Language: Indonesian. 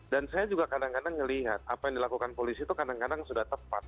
dan saya juga kadang kadang ngelihat apa yang dilakukan polisi itu kadang kadang sudah tepat